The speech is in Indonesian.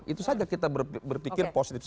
itu saja kita berpikir positif